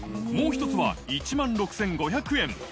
もう１つは１万６５００円。